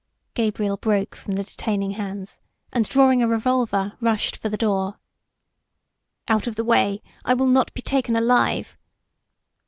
Gabriel broke from the detaining hands and drawing a revolver, rushed for the door. "Out of the way! I will not be taken alive!"